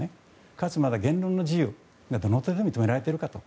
かつ、言論の自由はどれくらい認められているかと。